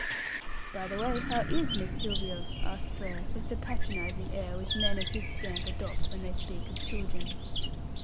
"By the way, how is Miss Sylvia?" asked Frere, with the patronising air which men of his stamp adopt when they speak of children.